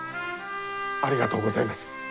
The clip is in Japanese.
ありがとうございます。